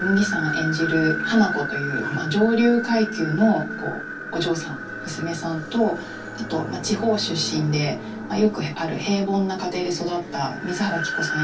演じる華子という上流階級のお嬢さん娘さんとあと地方出身でよくある平凡な家庭で育った水原希子さん